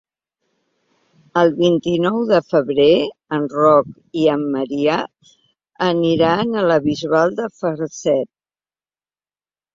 El vint-i-nou de febrer en Roc i en Maria aniran a la Bisbal de Falset.